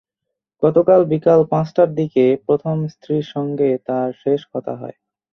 গতকাল বিকাল পাঁচটার দিকে প্রথম স্ত্রীর সঙ্গে তাঁর শেষ কথা হয়।